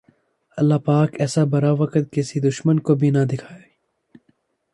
اللہ پاک ایسا برا وقت کسی دشمن کو بھی نہ دکھائے